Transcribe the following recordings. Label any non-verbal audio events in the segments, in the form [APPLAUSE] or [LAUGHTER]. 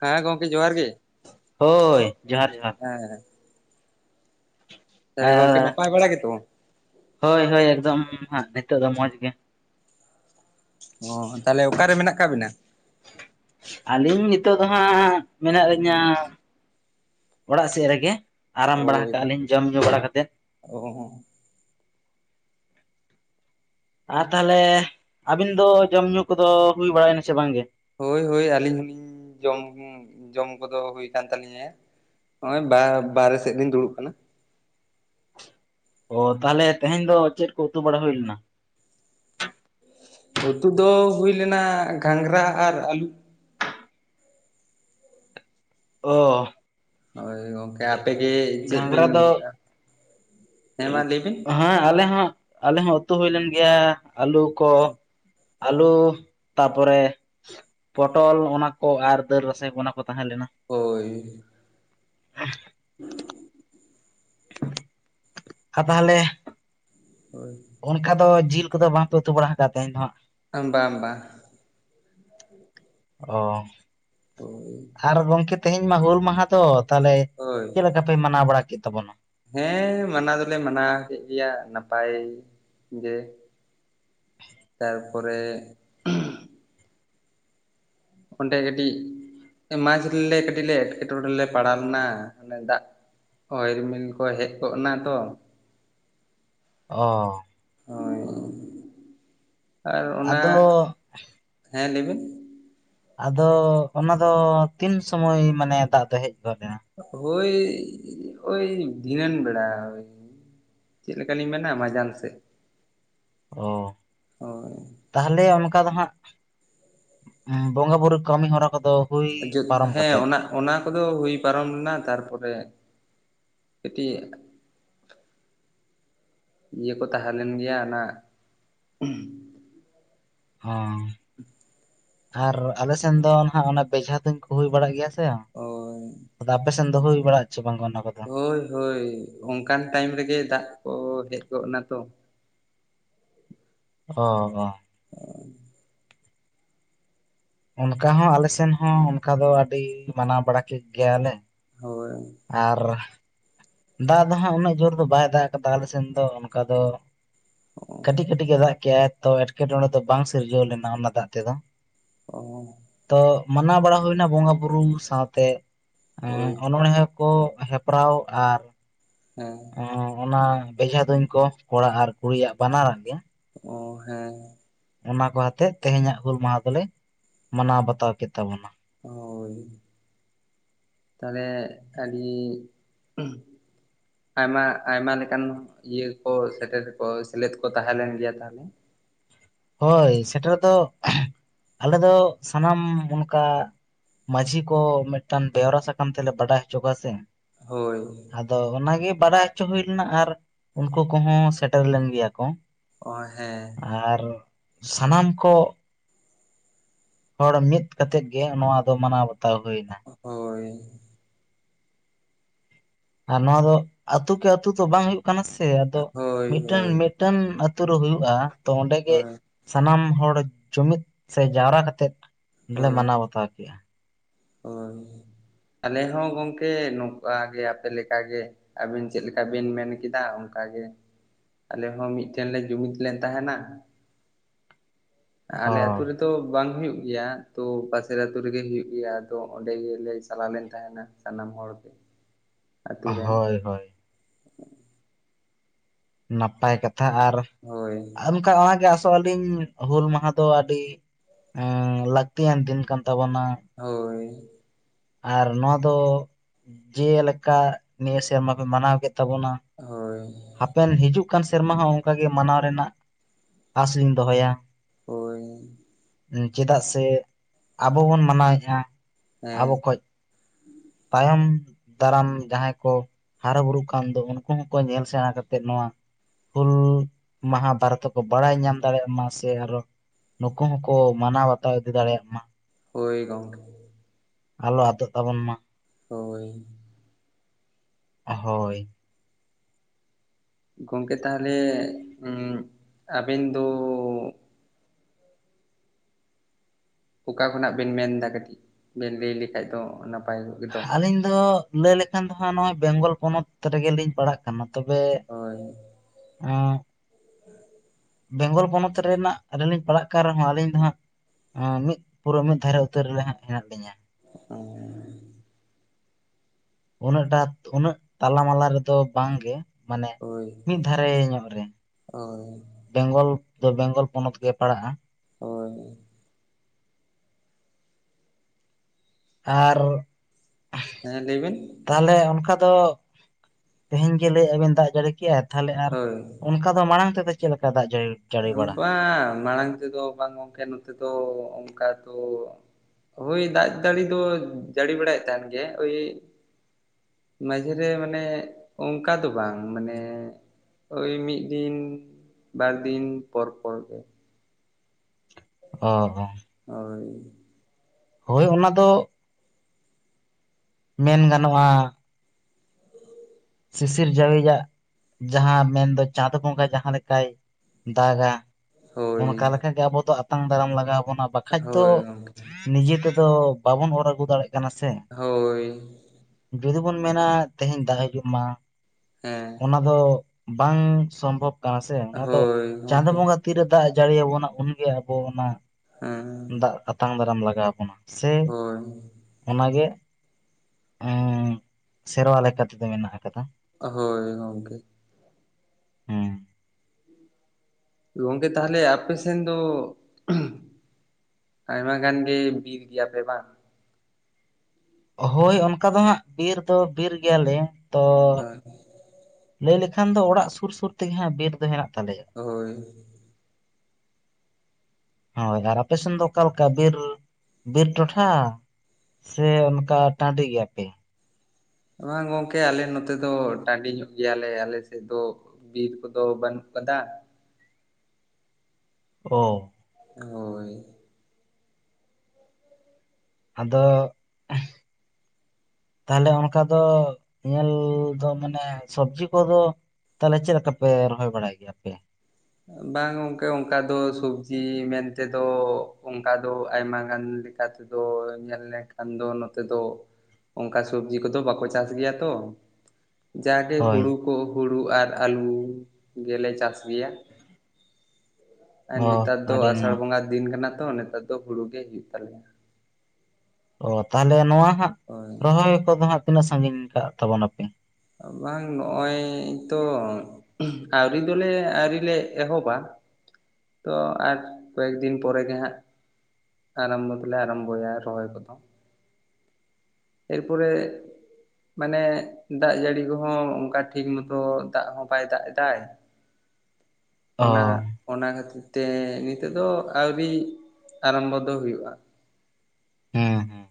ᱦᱮᱸ ᱜᱚᱝᱠᱮ ᱡᱚᱦᱟᱨ ᱜᱮ ᱦᱳᱭ ᱡᱚᱦᱟᱨ ᱡᱚᱦᱟᱨ ᱦᱮᱸ ᱛᱟᱦᱞᱮ ᱜᱚᱝᱠᱮ ᱱᱟᱯᱟᱭ ᱵᱟᱲᱟ ᱜᱮ ᱛᱚ ᱦᱳᱭ ᱦᱳᱭ ᱮᱠᱫᱚᱢ ᱦᱟᱸᱜ ᱱᱤᱛᱚᱜ ᱫᱚ ᱢᱚᱡᱽ ᱜᱮ ᱚ ᱛᱟᱦᱚᱞᱮ ᱚᱠᱟᱨᱮ ᱢᱮᱱᱟᱜ ᱠᱟᱜ ᱵᱤᱱᱟ ᱟᱹᱞᱤᱧ ᱱᱤᱛᱚᱜ ᱫᱚ ᱦᱟᱸᱜ ᱢᱮᱱᱟᱜ ᱞᱤᱧᱟ ᱚᱲᱟᱜ ᱥᱮᱫ ᱨᱮᱜᱮ ᱟᱨᱟᱢ ᱵᱟᱲᱟ ᱦᱟᱠᱟᱜ ᱟᱞᱤᱧ ᱡᱚᱢ ᱧᱩ ᱵᱟᱲᱟ ᱠᱟᱛᱮ ᱚᱻ ᱟᱨ ᱛᱟᱦᱞᱮ ᱟᱹᱵᱤᱱ ᱫᱚ ᱡᱚᱢ ᱧᱩ ᱠᱚᱫᱚ ᱦᱩᱭ ᱵᱟᱲᱟᱭᱱᱟ ᱥᱮ ᱵᱟᱝ ᱜᱮ ᱦᱳᱭ ᱦᱳᱭ ᱟᱹᱞᱤᱧ ᱦᱚᱞᱤᱧ ᱡᱚᱢ ᱡᱚᱢ ᱠᱚᱫᱚ ᱦᱩᱭ ᱠᱟᱱ ᱛᱟᱞᱤᱧᱟ ᱱᱚᱜ ᱚᱭ ᱵᱟ ᱵᱟᱦᱨᱮ ᱥᱮᱫ ᱨᱮᱧ ᱫᱩᱲᱩᱵ ᱠᱟᱱᱟ ᱚ ᱛᱟᱦᱚᱞᱮ ᱛᱮᱦᱮᱧ ᱫᱚ ᱪᱮᱫ ᱠᱚ ᱩᱛᱩ ᱵᱟᱲᱟ ᱦᱩᱭ ᱞᱮᱱᱟ ᱩᱛᱩ ᱫᱚ ᱦᱩᱭ ᱞᱮᱱᱟ ᱜᱷᱟᱸᱜᱽᱨᱟ ᱟᱨ ᱟᱹᱞᱩ ᱚᱻ ᱦᱳᱭ ᱜᱚᱝᱠᱮ ᱟᱯᱮ ᱜᱮ ᱪᱮᱫ ᱜᱷᱟᱸᱝᱨᱟ ᱵᱮᱱ ᱫᱚ [UNINTELLIGIBLE] ᱦᱮᱸ ᱢᱟ ᱞᱟᱹᱭ ᱵᱤᱱ ᱟᱞᱮ ᱦᱚᱸ ᱟᱞᱮ ᱦᱚᱸ ᱩᱛᱩ ᱦᱩᱭ ᱞᱮᱱ ᱜᱮᱭᱟ ᱟᱹᱞᱩ ᱠᱚ ᱟᱞᱩ ᱛᱟᱯᱚᱨᱮ ᱯᱚᱴᱚᱞ ᱚᱱᱟ ᱠᱚ ᱟᱨ ᱫᱟᱹᱞ ᱨᱟᱥᱮ ᱠᱚ ᱚᱱᱟ ᱠᱚ ᱛᱟᱦᱮᱸ ᱞᱮᱱᱟ ᱦᱳᱭ [UNINTELLIGIBLE] ᱦᱮᱸ [UNINTELLIGIBLE] [UNINTELLIGIBLE] ᱟᱨ ᱛᱟᱦᱞᱮ ᱦᱳᱭ ᱚᱱᱠᱟ ᱫᱚ ᱡᱤᱞ ᱠᱚᱫᱚ ᱵᱟᱝ ᱯᱮ ᱩᱛᱩ ᱵᱟᱲᱟ ᱟᱠᱟᱜᱼᱟ ᱛᱟᱦᱮᱸᱧ ᱫᱚ ᱦᱟᱸᱜ ᱟᱸᱵᱟ ᱟᱸᱵᱟ ᱚᱻ [INAUDIBLE] ᱟᱨ ᱜᱚᱝᱠᱮ ᱛᱮᱦᱮᱧ ᱢᱟ ᱦᱩᱞ ᱢᱟᱦᱟ ᱫᱚ ᱛᱟᱞᱦᱮ ᱦᱳᱭ ᱪᱮᱫ ᱞᱮᱠᱟ ᱯᱮ ᱢᱟᱱᱟᱣ ᱵᱟᱲᱟ ᱠᱮᱫ ᱛᱟᱵᱚᱱᱟ? ᱦᱮᱸ ᱢᱟᱱᱟᱣ ᱫᱚᱞᱮ ᱢᱟᱱᱟᱣ ᱠᱮᱫ ᱜᱮᱭᱟ ᱱᱟᱯᱟᱭ ᱜᱮ! ᱛᱟᱨᱯᱚᱨᱮ ᱚᱸᱰᱮ ᱠᱟᱹᱴᱤᱡ ᱡᱽᱷ ᱨᱮ ᱞᱮ ᱠᱟᱹᱴᱤᱡ ᱞᱮ ᱮᱴᱠᱮᱴᱚᱬᱮ ᱞᱮ ᱯᱟᱲᱟᱣ ᱞᱮᱱᱟᱮ ᱫᱟᱜ ᱚᱭᱮᱞ ᱨᱤᱢᱤᱞ ᱠᱚ ᱦᱮᱡ ᱠᱚᱜ ᱮᱱᱟ ᱛᱚ ᱚᱻ [UNINTELLIGIBLE] ᱦᱮ ᱟᱨ ᱚᱱᱟ ᱟᱫᱚ ᱦᱮᱸ ᱞᱟᱹᱭᱵᱤᱱ? ᱟᱫᱚ ᱚᱱᱟ ᱫᱚ ᱛᱤᱱ ᱥᱩᱚᱢᱚᱭ ᱢᱟᱱᱮ ᱫᱟᱜ ᱫᱚ ᱦᱮᱡ ᱜᱚᱫ ᱮᱱᱟ? ᱦᱳᱭ ᱳᱭ ᱫᱷᱤᱱᱟᱹᱱ ᱵᱮᱲᱟ ᱳᱭ ᱪᱮᱫ ᱞᱮᱠᱟᱞᱤᱧ ᱢᱮᱱᱟ ᱢᱟᱡᱟᱱ ᱥᱮᱫ ᱚᱻ ᱦᱳᱭ ᱛᱟᱦᱚᱞᱮ ᱚᱱᱠᱟ ᱫᱚ ᱦᱟᱸᱜ ᱵᱚᱸᱜᱟ ᱵᱩᱨᱩ ᱠᱟᱹᱢᱤ ᱦᱚᱨᱟ ᱠᱚᱫᱚ ᱦᱩᱭ ᱡᱩᱛ ᱯᱟᱨᱚᱢ ᱦᱮᱸ ᱠᱟᱛᱮᱫ ᱚᱱᱟ ᱠᱚᱫᱚ ᱦᱩᱭ ᱯᱟᱨᱚᱢ ᱞᱮᱱᱟ ᱛᱟᱨᱯᱚᱨᱮ ᱟᱹᱰᱤ ᱤᱭᱟᱹ ᱠᱚ ᱛᱟᱦᱮᱸᱞᱱ ᱜᱮᱭᱟ ᱚᱱᱟ, ᱦᱚᱸ ᱦᱮ [INAUDIBLE] ᱟᱨ ᱟᱞᱮ ᱥᱮᱱ ᱫᱚ ᱦᱟᱜ ᱚᱱᱟ ᱵᱮᱡᱷᱟ ᱛᱩᱧ ᱠᱚ ᱦᱩᱭ ᱵᱟᱲᱟᱜ ᱜᱮᱭᱟ ᱥᱮ᱾ ᱦᱳᱭ ᱟᱫᱚ ᱟᱯᱮᱥᱮᱱ ᱫᱚ ᱦᱩᱭ ᱵᱟᱲᱟᱜ ᱦᱚᱪᱚᱮ ᱵᱟᱝ ᱚᱱᱟ ᱠᱚᱫᱚ? ᱦᱳᱭ ᱦᱳᱭ ᱚᱝᱠᱟᱱ ᱴᱟᱭᱤᱢ ᱨᱮᱜᱮ ᱫᱟᱜ ᱠᱚ ᱦᱮᱡ ᱜᱚᱫ ᱮᱱᱟ ᱛᱚ᱾ ᱚᱻ [INAUDIBLE] ᱚᱱᱠᱟ ᱦᱚᱸ ᱟᱞᱮᱥᱮᱱ ᱦᱚᱸ ᱚᱱᱠᱟ ᱫᱚ ᱟᱹᱰᱤ ᱢᱟᱱᱟᱣ ᱵᱟᱲᱟ ᱠᱮᱜ ᱜᱮᱭᱟ ᱞᱮ᱾ ᱦᱳᱭ ᱟᱨ ᱫᱟᱜ ᱫᱚ ᱦᱟᱸᱜ ᱩᱱᱟᱹᱜ ᱡᱳᱨ ᱫᱚ ᱵᱟᱭ ᱫᱟᱜ ᱠᱟᱫᱟ ᱟᱞᱮ ᱥᱮᱱ ᱫᱚ ᱚᱱᱠᱟ ᱫᱚ᱾ ᱚ ᱠᱟᱹᱴᱤᱜ ᱠᱟᱹᱴᱤᱜ ᱜᱮ ᱫᱟᱜ ᱠᱮᱜᱟᱭ ᱛᱚ, ᱮᱸᱴᱠᱮᱴᱚᱬᱮ ᱫᱚ ᱵᱟᱝ ᱥᱤᱨᱡᱟᱹᱣ ᱞᱮᱱᱟ ᱚᱱᱟ ᱫᱟᱜ ᱛᱮᱫᱚ᱾ ᱚ ᱛᱚ ᱢᱟᱱᱟᱣ ᱵᱟᱲᱟ ᱦᱩᱭᱱᱟ ᱵᱚᱸᱜᱟ ᱵᱩᱨᱩ ᱥᱟᱶᱛᱮ ᱮᱸ ᱦᱳᱭ ᱚᱱᱚᱬᱦᱮᱸ ᱠᱚ ᱦᱮᱯᱨᱟᱣ ᱟᱨ ᱦᱮᱸ ᱚᱸ ᱚᱱᱟ ᱵᱷᱮᱡᱷᱟ ᱛᱩᱧ ᱠᱚ ᱠᱚᱲᱟ ᱟᱨ ᱠᱩᱲᱤᱭᱟᱜ ᱵᱟᱱᱟᱨᱟᱜ ᱜᱮ᱾ ᱚ ᱦᱮᱸ ᱚᱱᱟ ᱠᱚ ᱟᱛᱮᱜ ᱛᱮᱦᱮᱧᱟᱜ ᱦᱩᱞ ᱢᱟᱦᱟ ᱫᱚᱞᱮ ᱢᱟᱱᱟᱣ ᱵᱟᱛᱟᱣ ᱠᱮᱫ ᱛᱟᱵᱚᱱᱟ᱾ ᱦᱳᱭ ᱛᱟᱦᱞᱮ ᱟᱹᱰᱤ ᱟᱭᱢᱟ ᱟᱭᱢᱟ ᱞᱮᱠᱟᱱ ᱤᱭᱟᱹ ᱠᱚ ᱥᱮᱴᱮᱨ ᱠᱚ ᱥᱮᱞᱮᱫ ᱠᱚ ᱛᱟᱦᱮᱸ ᱞᱮᱱ ᱜᱮᱭᱟ ᱛᱟᱦᱞᱮ? ᱦᱳᱭ ᱥᱮᱴᱮᱨ ᱫᱚ, ᱟᱞᱮ ᱫᱚ ᱥᱟᱱᱟᱢ ᱚᱱᱠᱟ ᱢᱟᱹᱡᱷᱤ ᱠᱚ ᱢᱤᱫᱴᱟᱱ ᱵᱮᱣᱨᱟ ᱥᱟᱠᱟᱢ ᱛᱮᱞᱮ ᱵᱟᱰᱟᱭ ᱦᱚᱪᱚ ᱠᱚᱣᱟ ᱥᱮ᱾ ᱦᱳᱭ ᱟᱫᱚ ᱚᱱᱟᱜᱮ ᱵᱟᱰᱟᱭ ᱦᱚᱪᱚ ᱦᱩᱭ ᱞᱮᱱᱟ ᱟᱨ ᱩᱱᱠᱩ ᱠᱚᱦᱚᱸ ᱥᱮᱴᱮᱨ ᱞᱮᱱ ᱜᱮᱭᱟ ᱠᱚ᱾ ᱚ ᱦᱮᱸ ᱟᱨ ᱥᱟᱱᱟᱢ ᱠᱚ ᱦᱚᱲ ᱢᱤᱫ ᱠᱟᱛᱮᱫ ᱜᱮ ᱱᱚᱣᱟ ᱫᱚ ᱢᱟᱱᱟᱣ ᱛᱟᱣ ᱦᱩᱭᱱᱟ᱾ ᱦᱳᱭ ᱟᱨ ᱱᱚᱣᱟ ᱫᱚ ᱟᱛᱳ ᱠᱮ ᱟᱹᱛᱩ ᱫᱚ ᱵᱟᱝ ᱦᱩᱭᱩᱜ ᱠᱟᱱᱟ ᱥᱮ ᱟᱫᱚ ᱦᱳᱭ ᱢᱤᱫᱴᱟᱝ ᱦᱳᱭ ᱴᱟᱱ ᱟᱛᱩᱨ ᱨᱮ ᱦᱩᱭᱩᱜᱼᱟ ᱛᱚ ᱚᱸᱰᱮ ᱜᱮ ᱦᱳᱭ ᱥᱟᱱᱟᱢ ᱦᱚᱲ ᱡᱩᱢᱤᱫ ᱥᱮ ᱡᱟᱣᱨᱟ ᱠᱟᱛᱮᱫ ᱜᱞᱮ ᱦᱳᱭ ᱢᱟᱱᱟᱣ ᱵᱟᱛᱟᱣ ᱠᱮᱜᱼᱟ᱾ ᱦᱳᱭ ᱟᱞᱮ ᱦᱚᱸ ᱜᱚᱝᱠᱮ ᱱᱚᱝᱠᱟ ᱜᱮ ᱟᱯᱮ ᱞᱮᱠᱟᱜ ᱜᱮ᱾ ᱟᱹᱵᱤᱱ ᱪᱮᱫ ᱞᱮᱠᱟ ᱵᱤᱱ ᱢᱮᱱ ᱠᱮᱫᱟ ᱚᱱᱠᱟᱜᱮ᱾ ᱟᱞᱮ ᱦᱚᱸ ᱢᱤᱫᱴᱮᱱ ᱞᱮ ᱡᱩᱢᱤᱫ ᱞᱮᱱ ᱛᱟᱦᱮᱱᱟ᱾ ᱟᱞᱮ ᱟᱹᱛᱩ ᱨᱮ ᱚ ᱛᱚ ᱵᱟᱝ ᱦᱳᱭᱳ ᱜᱮᱭᱟ ᱛᱚ ᱯᱟᱥᱮᱨ ᱟᱛᱳ ᱨᱮᱜᱮ ᱦᱳᱭᱳ ᱜᱮᱭᱟ ᱟᱫᱚ ᱚᱸᱰᱮ ᱜᱮᱞᱮ ᱪᱟᱞᱟᱣ ᱞᱮᱱ ᱛᱟᱦᱮᱱᱟ᱾ ᱥᱟᱱᱟᱢ ᱦᱚᱲ ᱜᱮ᱾ ᱟᱛᱳ ᱨᱮᱱ ᱦᱳᱭ ᱦᱳᱭ ᱱᱟᱯᱟᱭ ᱠᱟᱛᱷᱟ ᱟᱨ ᱦᱳᱭ ᱚᱱᱠᱟ ᱚᱱᱟᱜᱮ ᱛᱚᱜᱼᱟᱹᱞᱤᱧ ᱦᱩᱞ ᱢᱟᱦᱟ ᱫᱚ ᱟᱹᱰᱤ ᱮᱸ ᱞᱟᱹᱠᱛᱤᱭᱟᱱ ᱫᱤᱱ ᱠᱟᱱ ᱛᱟᱵᱚᱱᱟ᱾ ᱦᱳᱭ ᱟᱨ ᱱᱚᱣᱟ ᱫᱚ ᱡᱮᱞᱮᱠᱟ ᱱᱤᱭᱟᱹ ᱥᱮᱨᱢᱟ ᱯᱮ ᱢᱟᱱᱟᱣ ᱠᱮᱫ ᱛᱟᱵᱚᱱᱟ ᱦᱳᱭ ᱦᱟᱯᱮᱱ ᱦᱤᱡᱩᱜ ᱠᱟᱱ ᱥᱮᱨᱢᱟ ᱦᱚᱸ ᱚᱱᱠᱟᱜ ᱜᱮ ᱢᱟᱱᱟᱣ ᱨᱮᱱᱟᱜ ᱟᱥ ᱞᱤᱧ ᱫᱚᱦᱚᱭᱟ᱾ ᱦᱳᱭ ᱪᱮᱫᱟᱜ ᱥᱮ ᱟᱵᱚ ᱵᱚᱱ ᱢᱟᱱᱟᱣᱮᱜᱼᱟ ᱦᱮᱸ ᱟᱵᱚ ᱠᱷᱚᱡ ᱛᱟᱭᱚᱢ ᱫᱟᱨᱟᱢ ᱡᱟᱦᱟᱸᱭ ᱠᱚ ᱦᱟᱨᱟ ᱵᱩᱨᱩᱜ ᱠᱟᱱ ᱫᱚ ᱩᱱᱠᱩ ᱦᱚᱸᱠᱚ ᱧᱮᱞ ᱥᱮᱬᱟ ᱠᱟᱛ ᱛᱮᱫ ᱱᱚᱣᱟ ᱦᱩᱞ ᱢᱟᱦᱟ ᱵᱟᱨᱮ ᱛᱮᱠᱚ ᱵᱟᱲᱟᱭ ᱧᱟᱢ ᱫᱟᱲᱮᱭᱟᱜ ᱢᱟ ᱥᱮ ᱟᱨᱚ ᱱᱩᱠᱩ ᱦᱚᱸᱠᱚ ᱢᱟᱱᱟᱣ ᱵᱟᱛᱟᱣ ᱤᱫᱤ ᱫᱟᱲᱮᱭᱟᱜ ᱢᱟ᱾ ᱦᱳᱭ ᱜᱚᱢᱠᱮ ᱟᱞᱚ ᱟᱫᱚᱜ ᱛᱟᱵᱚᱱ ᱢᱟ᱾ ᱦᱚᱭ ᱦᱳᱭ ᱜᱚᱝᱠᱮ ᱛᱟᱦᱚᱞᱮ ᱩᱸ ᱟᱵᱮᱱ ᱫᱚ ᱚᱠᱟ ᱠᱷᱚᱱᱟᱜ ᱵᱮᱱ ᱢᱮᱱ ᱮᱫᱟ ᱠᱟᱹᱴᱤᱡ ᱵᱮᱱ ᱞᱟᱹᱭ ᱞᱮᱠᱷᱟᱱᱡ ᱫᱚ ᱱᱟᱯᱟᱭ ᱫᱚ ᱟᱹᱞᱤᱧ ᱫᱚ ᱞᱟᱹᱭ ᱞᱮᱠᱷᱟᱱ ᱫᱚ ᱦᱟᱸᱜ ᱱᱚ-ᱚᱭ ᱵᱮᱝᱜᱚᱞ ᱯᱚᱱᱚᱛ ᱨᱮᱜᱮᱞᱤᱧ ᱯᱟᱲᱟᱜ ᱦᱮᱡᱟ ᱛᱚᱵᱮ ᱦᱳᱭ ᱚᱸ ᱵᱮᱝᱜᱚᱞ ᱯᱚᱱᱚᱛ ᱨᱮᱱᱟᱜ ᱨᱮᱞᱤᱧ ᱯᱟᱲᱟᱜ ᱠᱟᱱ ᱨᱮᱦᱚᱸ ᱟᱹᱞᱤᱧ ᱫᱚ ᱦᱟᱸᱟᱜ ᱢᱤᱫ ᱯᱩᱨᱟᱹ ᱢᱤᱫ ᱫᱷᱟᱨᱮ ᱩᱛᱟᱹᱨ ᱨᱮ ᱦᱟᱸᱜ ᱦᱮᱱᱟᱜ ᱞᱤᱧᱟᱹ ᱚᱻᱻᱻ ᱩᱱᱟᱹᱜᱴᱟ ᱩᱱᱟᱹᱜ ᱛᱟᱞᱟᱢᱟᱞᱟ ᱨᱮᱫᱚ ᱵᱟᱝ ᱜᱮ᱾ ᱢᱟᱱᱮ ᱦᱳᱭ ᱢᱤᱫ ᱫᱷᱟᱨᱮ ᱧᱚᱜ ᱨᱮ ᱦᱳᱭ ᱵᱮᱝᱜᱚᱞ ᱫᱚ ᱵᱮᱝᱜᱚᱞ ᱯᱚᱱᱚᱛ ᱜᱮ ᱯᱟᱲᱟᱜ-ᱟ ᱦᱳᱭ ᱟᱨ ᱦᱮᱸ ᱞᱟᱹᱭᱵᱮᱱ ᱛᱟᱦᱚᱞᱮ ᱚᱱᱠᱟ ᱫᱚ ᱛᱮᱦᱮᱧ ᱜᱮ ᱞᱟᱹᱭᱮᱫ-ᱟ ᱵᱤᱱ ᱫᱟᱜ ᱡᱟᱹᱲᱤ ᱠᱮᱜ-ᱟ ᱛᱟᱦᱚᱞᱮ ᱟᱨ ᱦᱳᱭ ᱚᱱᱠᱟ ᱫᱚ ᱢᱟᱲᱟᱝ ᱛᱮᱫᱚ ᱪᱮᱫ ᱞᱮᱠᱟ ᱫᱟᱜ ᱡᱟᱹᱲᱤ? ᱵᱟᱲᱟ ᱵᱟᱝ ᱢᱟᱲᱟᱝ ᱛᱮᱫᱚ ᱵᱟᱝ ᱜᱚᱢᱠᱮ ᱱᱚᱛᱮ ᱫᱚ ᱚᱱᱠᱟ ᱫᱚ ᱳᱭ ᱫᱟᱜ ᱡᱟᱲᱤ ᱫᱚ ᱡᱟᱹᱲᱤ ᱵᱟᱲᱟᱭᱮᱫ ᱛᱟᱦᱮᱱ ᱜᱮ ᱳᱭ ᱢᱟᱡᱷᱮ ᱨᱮ ᱢᱟᱱᱮ ᱚᱱᱠᱟ ᱫᱚ ᱵᱟᱝ ᱢᱟᱱᱮ ᱳᱭ ᱢᱤᱫ ᱫᱤᱱ ᱵᱟᱨ ᱫᱤᱱ ᱯᱚᱨ ᱯᱚᱨ ᱜᱮ ᱚ ᱦᱚ ᱦᱳᱭ ᱦᱳᱭ ᱚᱱᱟ ᱫᱚ ᱢᱮᱱ ᱜᱟᱱᱚᱜ-ᱟ ᱥᱤᱥᱤᱨ ᱡᱟᱹᱲᱤᱡᱟᱜ ᱡᱟᱦᱟᱸ ᱢᱮᱱ-ᱫᱚ ᱪᱟᱸᱫ ᱵᱚᱸᱜᱟ ᱡᱟᱦᱟᱸ ᱞᱮᱠᱟᱭ ᱫᱟᱜᱟ᱾ ᱦᱳᱭ ᱚᱱᱠᱟ ᱞᱮᱠᱟᱜᱮ ᱟᱵᱚ ᱫᱚ ᱟᱛᱟᱝ ᱫᱟᱨᱟᱢ ᱞᱟᱜᱟᱣ ᱵᱚᱱᱟ ᱵᱟᱠᱷᱟᱡ ᱫᱚ ᱦᱳᱭ ᱜᱚᱝᱠᱮ ᱱᱤᱡᱮ ᱛᱮᱫᱚ ᱵᱟᱵᱚᱱ ᱚᱨ ᱟᱹᱜᱩ ᱫᱟᱲᱭᱟᱜ ᱠᱟᱱᱟ ᱥᱮ᱾ ᱦᱳᱭ ᱡᱩᱫᱤ ᱵᱚᱱ ᱢᱮᱱᱟ ᱛᱮᱦᱮᱧ ᱫᱟᱜ ᱦᱤᱡᱩᱜ ᱢᱟ ᱦᱮᱸ ᱚᱱᱟ ᱫᱚ ᱵᱟᱝ ᱥᱚᱢᱵᱷᱚᱵ ᱠᱟᱱᱟ ᱥᱮ ᱚᱱᱟ ᱫᱚ ᱦᱳᱭ ᱪᱟᱸᱫᱚ ᱜᱚᱝᱠᱮ ᱵᱚᱸᱜᱟ ᱛᱤ ᱨᱮ ᱫᱟᱜ ᱡᱟᱹᱲᱤᱤᱭᱟᱵᱚᱱᱟ ᱩᱱᱜᱮ ᱟᱵᱚ ᱚᱱᱟ ᱦᱮᱸ ᱫᱟᱜ ᱟᱛᱟᱝ ᱫᱟᱨᱟᱢ ᱞᱟᱜᱟᱣ ᱟ ᱵᱚᱱᱟ᱾ ᱥᱮ ᱦᱳᱭ ᱚᱱᱟ ᱜᱮ ᱩᱸ ᱥᱮᱨᱣᱟ ᱞᱮᱠᱟ᱾ ᱪᱮ ᱫᱚ ᱢᱮᱱᱟᱜ ᱟᱠᱟᱫᱟ? ᱦᱳᱭ ᱜᱚᱝᱠᱮ ᱦᱮᱸ ᱜᱚᱝᱠᱮ ᱛᱟᱦᱚᱞᱮ ᱟᱯᱮ ᱥᱮᱱ ᱫᱚ ᱟᱭᱢᱟ ᱜᱟᱱ ᱜᱮ ᱵᱤᱨ ᱜᱮᱭᱟ ᱯᱮ ᱵᱟᱝ? ᱦᱳᱭ ᱚᱱᱠᱟ ᱫᱚ ᱦᱟᱸᱜ ᱵᱤᱨ ᱫᱚ ᱵᱤᱨ ᱜᱮᱭᱟ ᱞᱮ ᱛᱚ ᱦᱳᱭ ᱞᱟᱹᱭ ᱞᱮᱠᱷᱟᱱ ᱫᱚ ᱚᱲᱟᱜ ᱥᱩᱨ ᱥᱩᱨ ᱛᱮᱜᱮ ᱦᱟᱸᱜ ᱵᱤᱨ ᱫᱚ ᱦᱮᱱᱟᱜ ᱛᱟᱞᱮᱭᱟ᱾ ᱦᱳᱭ ᱦᱳᱭ ᱟᱨ ᱟᱯᱮᱥᱱ ᱫᱚ ᱚᱠᱟ ᱞᱮᱠᱟ ᱵᱤᱨ ᱵᱤᱨ ᱴᱚᱴᱷᱟ? ᱥᱮ ᱚᱱᱠᱟ ᱴᱟᱺᱰᱤ ᱜᱮᱭᱟᱯᱮ ᱵᱟᱝ ᱜᱚᱝᱠᱮ ᱟᱞᱮ ᱱᱚᱛᱮ ᱫᱚ ᱴᱟᱺᱰᱤ ᱧᱚᱜ ᱜᱮᱭᱟᱞᱮ ᱟᱞᱮ ᱥᱮᱫ ᱫᱚ ᱵᱤᱨ ᱠᱚᱫᱚ ᱵᱟᱹᱱᱩᱜ ᱟᱠᱟᱫᱟ ᱚ ᱦᱳᱭ ᱟᱫᱚ ᱛᱟᱦᱞᱮ ᱚᱱᱠᱟ ᱫᱚ ᱧᱮᱞ ᱫᱚ ᱢᱟᱱᱮ ᱥᱚᱵᱽᱡᱤ ᱠᱚᱫᱚ ᱛᱟᱦᱚᱞᱮ ᱪᱮᱫ ᱞᱮᱠᱟ ᱯᱮ ᱨᱚᱦᱚᱭ ᱵᱟᱲᱟᱭ ᱜᱮᱭᱟ ᱯᱮ? ᱵᱟᱝ ᱜᱚᱝᱠᱮ ᱚᱱᱠᱟ ᱫᱚ ᱥᱚᱵᱽᱡᱤ ᱢᱮᱱᱛᱮᱫᱚ ᱚᱱᱠᱟ ᱫᱚ ᱟᱭᱢᱟ ᱜᱟᱱ ᱞᱮᱠ ᱪ ᱞᱮᱠᱟ ᱛᱮᱫᱚ ᱧᱮᱞ ᱞᱮᱠᱷᱟᱱ ᱫᱚ ᱱᱚᱛᱮ ᱫᱚ ᱚᱱᱠᱟ ᱥᱚᱵᱡᱤ ᱠᱚᱫᱚ ᱵᱟᱠᱚ ᱪᱟᱥ ᱜᱮᱭᱟ ᱛᱚ ᱡᱟᱜᱮ ᱦᱳᱭ ᱦᱳᱲᱩ ᱠᱚ ᱦᱩᱲᱩ ᱟᱨ ᱟᱹᱞᱩ ᱜᱮᱞᱮ ᱪᱟᱥ ᱜᱮᱭᱟ ᱟᱨ ᱚ ᱱᱮᱛᱟᱨ ᱫᱚ ᱟᱹᱰᱤ ᱟᱥᱟᱲ ᱱᱚᱣᱟ ᱵᱚᱸᱜᱟ ᱫᱤᱱ ᱠᱟᱱᱟ ᱛᱚ ᱱᱮᱛᱟᱨ ᱫᱚ ᱦᱩᱲᱩ ᱜᱮ ᱦᱳᱭᱳᱜ ᱛᱟᱞᱮᱭᱟ ᱚ ᱛᱟᱦᱚᱞᱮ ᱱᱚᱣᱟ ᱦᱟᱸᱜ ᱦᱳᱭ ᱨᱚᱦᱚᱭ ᱠᱚᱫᱚ ᱦᱟᱸᱜ ᱛᱤᱱᱟᱹᱜ ᱥᱟᱺᱜᱤᱧ ᱠᱟᱜ ᱛᱟᱵᱚᱱᱟᱯᱮ ᱵᱟᱝ ᱱᱚᱜᱼᱚᱭ ᱛᱚ ᱟᱣᱨᱤ ᱫᱚᱞᱮ ᱟᱹᱣᱨᱤ ᱞᱮ ᱮᱦᱚᱵ ᱛᱚ ᱟᱨ ᱠᱚᱭᱮᱠ ᱫᱤᱱ ᱯᱚᱨᱮᱜ ᱜᱮ ᱦᱟᱸᱜ ᱟᱨᱟᱢᱵᱷ ᱛᱞᱮ ᱟᱨᱚᱢᱵᱷ ᱦᱩᱭᱩᱜ ᱨᱚᱦᱚᱭ ᱠᱚᱫᱚ ᱮᱨᱯᱚᱨᱮ ᱢᱟᱱᱮ ᱫᱟᱜ ᱡᱟᱹᱲᱤ ᱠᱚᱦᱚᱸ ᱚᱱᱠᱟ ᱴᱷᱤᱠ ᱢᱚᱛᱚ ᱫᱟᱜ ᱦᱚᱸ ᱵᱟᱭ ᱫᱟᱜ ᱮᱫᱟ ᱚ ᱚᱱᱟ ᱚᱱᱟ ᱠᱷᱟᱹᱛᱤᱨ ᱛᱮ ᱱᱤᱛᱚᱜ ᱫᱚ ᱟᱹᱣᱨᱤ ᱟᱨᱟᱢᱵᱚ ᱫᱚ ᱦᱩᱭᱩᱜᱼᱟ ᱦᱮᱸ ᱦᱮᱸ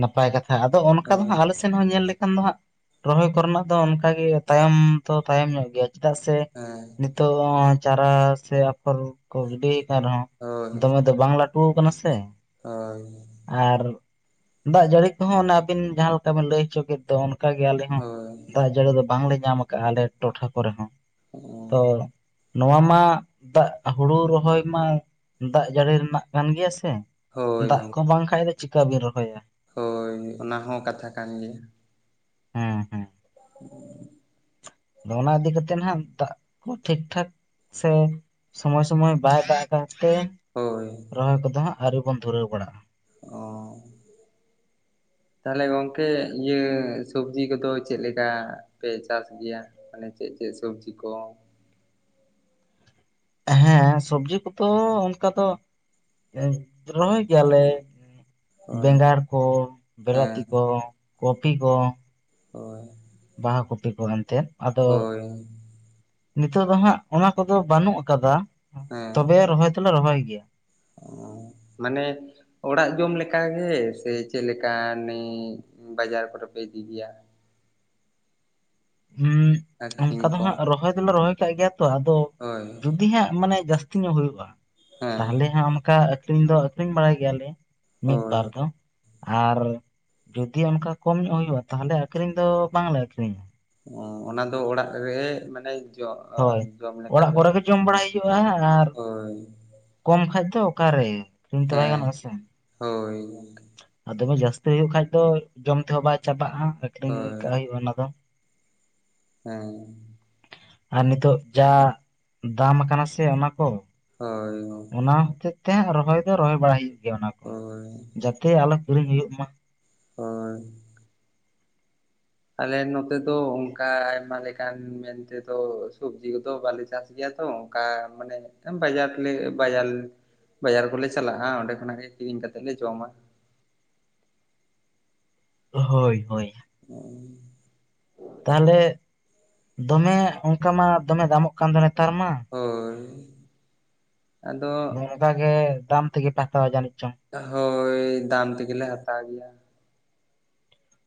ᱱᱟᱯᱟᱭ ᱠᱟᱛᱷᱟ ᱟᱫᱚ ᱚᱱᱠᱟ ᱫᱚ ᱦᱳᱭ ᱦᱟᱸᱜ ᱟᱞᱮ ᱥᱮᱫ ᱥᱮᱮᱫ ᱦᱚᱸ ᱧᱮᱞ ᱞᱮᱠᱷᱟᱱ ᱫᱚ ᱦᱜ ᱨᱚᱦᱚᱭ ᱠᱚᱨᱮᱱᱟᱜ ᱫᱚ ᱚᱱᱠᱟᱜ ᱜᱮ ᱛᱟᱭᱚᱢ ᱛᱚ ᱛᱟᱭᱚᱢ ᱧᱚᱜ ᱜᱮᱭᱟ ᱪᱮᱫᱟᱜ ᱥᱮ ᱦᱮᱸ ᱱᱤᱛᱚᱜ ᱪᱟᱨᱟ ᱥᱮ ᱟᱯᱷᱚᱨ ᱠᱚ ᱜᱤᱰᱤ ᱟᱠᱟᱱ ᱨᱮᱦᱚᱸ ᱫᱚᱢᱮ ᱫᱚ ᱵᱟᱝᱞᱟ ᱩᱴᱩ ᱟᱠᱟᱱᱟ ᱥᱮ ᱦᱚᱭᱻ ᱟᱨ ᱫᱟᱜ ᱡᱟᱹᱲᱤ ᱠᱚᱦᱚᱸ ᱚᱱᱮ ᱟᱹᱵᱤᱱ ᱡᱟᱦᱟᱸ ᱞᱮᱠᱟ ᱵᱤᱱ ᱞᱟᱹᱭ ᱦᱚᱪᱚ ᱠᱮᱫ ᱫᱚ ᱚᱱᱠᱟ ᱜᱮ ᱟᱞᱮ ᱫᱟᱜ ᱡᱟᱹᱲᱤ ᱫᱚ ᱵᱟᱝᱞᱮ ᱧᱟᱢ ᱠᱟᱜᱼᱟ ᱟᱞᱮ ᱴᱚᱴᱷᱟ ᱠᱚᱨᱮ ᱦᱚᱸ ᱛᱚ ᱦᱳᱭ ᱱᱚᱣᱟ ᱢᱟ ᱫᱟᱜ ᱦᱩᱲᱩ ᱨᱚᱦᱚᱭ ᱢᱟ ᱫᱟᱜ ᱡᱟᱹᱲᱤ ᱨᱮᱱᱟᱜ ᱠᱟᱱ ᱜᱮᱭᱟ ᱥᱮ ᱦᱳᱭ ᱫᱟᱜ ᱠᱚ ᱵᱟᱝ ᱠᱷᱟᱱᱡ ᱫᱚ ᱪᱤᱠᱟᱹ ᱵᱤᱱ ᱨᱚᱦᱚᱭᱟ ᱦᱳᱭ ᱚᱱᱟ ᱦᱚᱸ ᱠᱟᱛᱷᱟ ᱠᱟᱱ ᱜᱮᱭᱟ ᱦᱮᱸ ᱦᱮᱸ [UNINTELLIGIBLE] ᱟᱫᱚ ᱚᱱᱟ ᱤᱫᱤ ᱠᱟᱛᱮᱜ ᱱᱟᱦᱟᱜ ᱫᱟᱜ ᱠᱚ ᱴᱷᱤᱠ ᱴᱷᱟᱠ ᱥᱮ ᱥᱚᱢᱚᱭ ᱥᱚᱢᱚᱭ ᱵᱟᱭ ᱫᱟᱜ ᱠᱟᱜ ᱛᱮ ᱦᱳᱭ ᱨᱚᱦᱚᱭ ᱠᱚᱫᱚ ᱦᱟᱸᱜ ᱟᱹᱣᱨᱤ ᱵᱚᱱ ᱫᱷᱩᱨᱟᱹᱣ ᱵᱟᱲᱟᱜᱼᱟ᱾ ᱚᱸᱻ [INAUDIBLE] ᱛᱟᱦᱚᱞᱮ ᱜᱚᱝᱠᱮ ᱤᱭᱟᱹ ᱥᱚᱵᱡᱤ ᱠᱚᱫᱚ ᱪᱮᱫ ᱞᱮᱠᱟ ᱯᱮ ᱪᱟᱥ ᱜᱮᱭᱟ? ᱢᱟᱱᱮ ᱪᱮᱫ ᱪᱮᱫ ᱥᱚᱵᱡᱤ ᱠᱚ? ᱦᱮᱸ ᱥᱚᱵᱽᱡᱤ ᱠᱚᱫᱚ ᱚᱱᱠᱟ ᱫᱚ ᱮᱡ ᱨᱚᱦᱚᱭ ᱜᱮᱭᱟᱞᱮ ᱦᱳᱭ ᱵᱮᱸᱜᱟᱲ ᱠᱚ ᱵᱮᱞᱟᱛᱤ ᱦᱮᱸ ᱠᱚ ᱠᱚᱯᱤ ᱠᱚ ᱦᱚᱭ ᱵᱟᱦᱟ ᱠᱚᱯᱤ ᱠᱚ ᱮᱱᱛᱮᱫ ᱟᱫᱚ ᱱᱤᱛᱚᱜ ᱫᱚ ᱦᱟᱸᱜ ᱚᱱᱟ ᱠᱚᱫᱚ ᱵᱟᱹᱱᱩᱜ ᱟᱠᱟᱫᱟ ᱛᱚᱵᱮ ᱨᱚᱦᱚᱭ ᱫᱚᱞᱮ ᱨᱚᱦᱚᱭ ᱜᱮᱭᱟ᱾ ᱚᱸᱻ ᱢᱟᱱᱮ ᱚᱲᱟᱜ ᱡᱚᱢ ᱞᱮᱠᱟ ᱜᱮ ᱥᱮ ᱪᱮᱫ ᱞᱮᱠᱟ ᱱᱤᱡ ᱵᱟᱡᱟᱨ ᱠᱚᱨᱮ ᱯᱮ ᱤᱫᱤ ᱜᱮᱭᱟ? ᱦᱩᱸᱜ ᱚᱱᱠᱟ ᱟᱠᱷᱨᱤᱧ ᱫᱚ ᱠᱚ ᱦᱟᱸᱜ ᱨᱚᱦᱚᱭ ᱫᱚᱞᱮ ᱨᱚᱦᱚᱭ ᱠᱟᱜ ᱜᱮᱭᱟ ᱛᱚ ᱟᱫᱚ ᱦᱳᱭ ᱫᱤ ᱦᱟᱸᱜ ᱢᱟᱱᱮ ᱡᱟᱹᱥᱛᱤ ᱧᱚᱜ ᱦᱩᱭᱩᱜᱼᱟ ᱦᱮᱸ ᱛᱟᱦᱚᱞᱮ ᱦᱟᱸᱜ ᱚᱱᱠᱟ ᱟᱹᱠᱷᱨᱤᱧ ᱫᱚ ᱟᱹᱠᱷᱨᱤᱧ ᱵᱟᱲᱟᱭ ᱜᱮᱭᱟᱞᱮ᱾ ᱢᱤᱫ ᱦᱳᱭ ᱵᱟᱨ ᱫᱷᱚᱢ ᱟᱨ ᱡᱩᱫᱤ ᱚᱱᱠᱟ ᱠᱚᱢ ᱧᱚᱜ ᱦᱩᱭᱩᱜᱼᱟ ᱛᱟᱦᱚᱞᱮ ᱟᱹᱠᱷᱨᱤᱧ ᱫᱚ ᱵᱟᱝ ᱞᱮ ᱟᱹᱠᱷᱨᱤᱧᱟ᱾ ᱚᱸ ᱚᱱᱟ ᱫᱚ ᱚᱲᱟᱜ ᱨᱮ ᱢᱟᱱᱮ ᱡᱚ ᱦᱚᱭ ᱡᱚᱢ ᱞᱮᱠᱟ ᱚᱲᱟᱜ ᱯᱮ ᱠᱚᱨᱮ ᱜᱮ ᱡᱚᱢ ᱵᱟᱲᱟᱭ ᱦᱩᱭᱩᱜᱼᱟ ᱟᱨ ᱦᱳᱭ ᱠᱚᱢ ᱠᱷᱟᱡ ᱛᱷᱚ ᱚᱠᱟ ᱨᱮ ᱠᱤᱱᱛᱚ ᱵᱟᱭ ᱦᱮᱸ ᱜᱟᱱᱚᱜᱼᱟ ᱥᱮ ᱦᱳᱭ ᱾ ᱟᱨ ᱫᱚᱢᱮ ᱡᱟᱹᱥᱛᱤ ᱦᱩᱭᱩᱜ ᱠᱷᱟᱡ ᱫᱚ ᱡᱚᱢ ᱛᱮᱦᱚᱸ ᱵᱟᱭ ᱪᱟᱵᱟᱜᱼᱟ ᱟᱠᱷᱨᱤᱧ ᱦᱳᱭ ᱠᱟᱜ ᱦᱩᱭᱩᱜᱼᱟ ᱚᱱᱟ ᱫᱚ ᱾ ᱦᱮᱸ ᱾ ᱟᱨ ᱱᱤᱛᱚᱜ ᱡᱟ ᱫᱟᱢ ᱟᱠᱟᱱᱟ ᱥᱮ ᱚᱱᱟ ᱠᱚ ᱾ ᱦᱳᱭ ᱜᱚᱝᱠᱮ ᱾ ᱚᱱᱟ ᱦᱚᱛᱮᱡ ᱛᱮ ᱨᱚᱦᱚᱭ ᱫᱚ ᱨᱚᱦᱚᱭ ᱵᱟᱲᱟ ᱦᱩᱭᱩᱜ ᱜᱮᱭᱟ ᱚᱱᱟ ᱾ ᱳᱭ ᱡᱟᱛᱮ ᱟᱞᱚ ᱠᱤᱨᱤᱧ ᱦᱩᱭᱩᱜ ᱢᱟ ᱾ ᱦᱳᱭ ᱾ ᱟᱞᱮ ᱱᱚᱛᱮ ᱫᱚ ᱚᱱᱠᱟ ᱟᱭᱢᱟ ᱞᱮᱠᱟᱱ ᱢᱮᱱ ᱛᱮᱫᱚ ᱥᱚᱵᱽᱡᱤ ᱠᱚᱫᱚ ᱵᱟᱞᱮ ᱪᱟᱥ ᱜᱮᱭᱟ ᱛᱚ ᱚᱱᱠᱟ ᱢᱟᱱᱮ ᱵᱟᱡᱟᱨ ᱞᱮ ᱵᱟᱡᱟᱨ ᱵᱟᱡᱟᱨ ᱠᱚᱞᱮ ᱪᱟᱞᱟᱜᱼᱟ ᱚᱸᱰᱮ ᱠᱷᱚᱱᱟᱜ ᱜᱮ ᱠᱤᱨᱤᱧ ᱠᱟᱛᱮᱫ ᱞᱮ ᱡᱚᱢᱟ ᱾ ᱦᱳᱭ ᱦᱳᱭ ᱾ [UNINTELLIGIBLE] ᱛᱟᱦᱚᱞᱮ ᱫᱚᱢᱮ ᱚᱱᱠᱟ ᱢᱟ ᱫᱚᱢᱮ ᱫᱟᱢᱚᱜ ᱠᱟᱱ ᱫᱚ ᱱᱮᱛᱟᱨ ᱢᱟ᱾ ᱦᱳᱭ ᱟᱫᱚ ᱚᱱᱠᱟ ᱜᱮ ᱫᱟᱢ ᱛᱮᱜᱮ ᱯᱮ ᱦᱟᱛᱟᱣᱟ ᱡᱟᱹᱱᱤᱡ ᱪᱚᱝ? ᱦᱳᱭ ᱫᱟᱢ ᱛᱮᱜᱮ ᱞᱮ ᱦᱟᱛᱟᱣ ᱜᱮᱭᱟ ᱾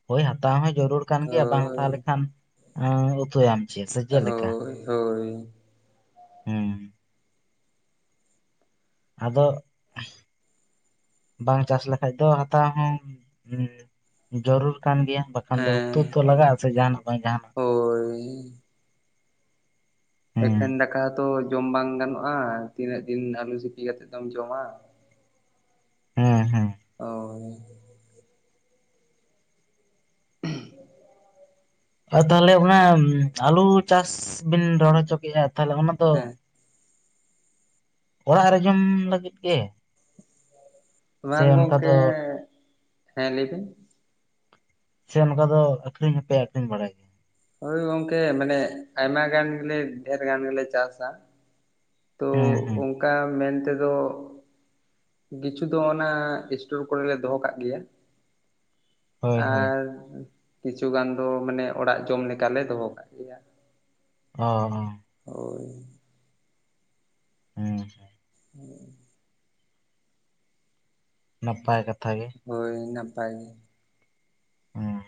ᱦᱳᱭ ᱦᱟᱛᱟᱣ ᱦᱚᱸ ᱡᱟᱹᱨᱩᱲ ᱠᱟᱱ ᱜᱮᱭᱟ ᱵᱟᱝ ᱦᱳᱭ ᱦᱟᱛᱟᱣ ᱞᱮᱠᱷᱟᱱ ᱩᱸ ᱩᱛᱩᱭ ᱟᱢ ᱪᱮᱫ ᱥᱮ ᱪᱮᱫ ᱞᱮᱠᱟ? ᱦᱳᱭ ᱦᱳᱭ ᱦᱩᱸ ᱾ ᱟᱫᱚ ᱵᱟᱝ ᱪᱟᱥ ᱞᱮᱠᱷᱟᱡ ᱫᱚ ᱦᱟᱛᱟᱣ ᱦᱚᱸ ᱡᱟᱹᱨᱩᱲ ᱠᱟᱱ ᱜᱮᱭᱟ ᱾ ᱮᱠᱷᱟᱱ ᱫᱚ ᱦᱮᱸ ᱩᱛᱩ ᱛᱚ ᱞᱟᱜᱟᱜᱼᱟ ᱥᱮ ᱡᱟᱦᱟᱱᱟᱜ ᱵᱟᱝ ᱡᱟᱦᱟᱱᱟᱜ ᱾ ᱦᱳᱭ ᱾ [UNINTELLIGIBLE] ᱦᱮᱸ ᱮᱠᱷᱮᱱ ᱫᱟᱠᱟ ᱦᱚᱸᱛᱚ ᱡᱚᱢ ᱵᱟᱝ ᱜᱟᱱᱚᱜᱼᱟ ᱾ ᱛᱤᱱᱟᱹᱜ ᱫᱤᱱ ᱟᱞᱩ ᱥᱤᱯᱤ ᱠᱟᱛᱮᱫ ᱫᱚᱢ ᱡᱚᱢᱟ? ᱦᱮᱸ ᱦᱮᱸ ᱦᱳᱭ [UNINTELLIGIBLE] ᱟᱨ ᱛᱟᱦᱚᱞᱮ ᱚᱱᱟ ᱟᱞᱩ ᱪᱟᱥ ᱵᱤᱱ ᱨᱚᱦᱚᱭ ᱦᱚᱪᱚ ᱠᱮᱫᱼᱟ ᱛᱟᱦᱚᱞᱮ ᱚᱱᱟ ᱫᱚ ᱦᱮᱸ ᱚᱲᱟᱜ ᱨᱮ ᱡᱚᱢ ᱞᱟᱹᱜᱤᱫ ᱜᱮ? ᱥᱮ [UNINTELLIGIBLE] ᱚᱱᱠᱟ ᱜᱚᱝᱠᱮ, ᱫᱚ ᱦᱮᱸ ᱞᱟᱹᱭ ᱵᱮᱱ ᱾ ᱥᱮ ᱚᱱᱠᱟ ᱫᱚ ᱟᱹᱠᱷᱨᱤᱧ ᱦᱚᱸ ᱯᱮ ᱟᱹᱠᱷᱨᱤᱧ ᱵᱟᱲᱟᱭ ᱜᱮ? ᱦᱳᱭ ᱜᱚᱝᱠᱮ ᱢᱟᱱᱮ ᱟᱭᱢᱟ ᱜᱟᱱ ᱜᱮᱞᱮ ᱰᱷᱮᱨ ᱜᱟᱱ ᱜᱮᱞᱮ ᱪᱟᱥᱟ ᱾ ᱛᱳ ᱦᱮᱸ ᱦᱮᱸ ᱚᱱᱠᱟ ᱢᱮᱱ ᱛᱮᱫᱚ ᱠᱤᱪᱷᱩ ᱫᱚ ᱚᱱᱟ ᱮᱥᱴᱳᱨ ᱠᱚᱨᱮ ᱞᱮ ᱫᱚᱦᱚ ᱠᱟᱜ ᱜᱮᱭᱟ ᱾ ᱦᱳᱭ ᱦᱳᱭ ᱟᱨ ᱠᱤᱪᱷᱩ ᱜᱟᱱ ᱫᱚ ᱢᱟᱱᱮ ᱚᱲᱟᱜ ᱡᱚᱢ ᱞᱮᱠᱟᱞᱮ ᱫᱚᱦᱚ ᱠᱟᱜ ᱜᱮᱭᱟ ᱾ ᱚᱻ ᱦᱳᱭ ᱾ ᱦᱮᱸ᱾ [INAUDIBLE] ᱱᱟᱯᱟᱭ ᱠᱟᱛᱷᱟ ᱜᱮ ᱾ ᱦᱳᱭ ᱱᱟᱯᱟᱭ ᱜᱮ ᱾ ᱚᱸᱻ